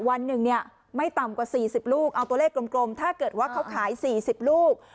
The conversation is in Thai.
วันหนึ่งเนี่ยไม่ต่ำกว่า๔๐ลูกเอาตัวเลขกลมถ้าเกิดว่าเขาขาย๔๐ลูก